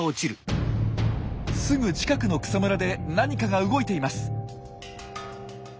すぐ近くの草むらで何かが動いています。